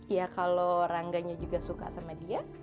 iya kalo rangga juga suka sama dia